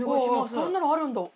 そんなのあるんだ。